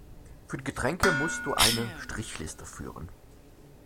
Für die Getränke muss du eine Strichliste führen.